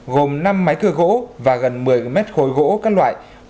gồm năm máy cưa gỗ và gần một mươi mét khối gỗ các loại